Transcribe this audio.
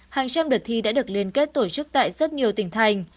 hàng trăm đợt thi đã được liên kết tổ chức tại rất nhiều tỉnh thành